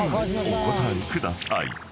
お答えください］